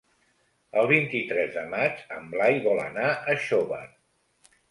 El vint-i-tres de maig en Blai vol anar a Xóvar.